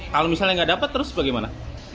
kalau misalnya nggak dapat terus bagaimana